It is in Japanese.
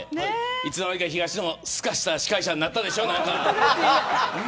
いつの間にか東野すかした司会者になったでしょ。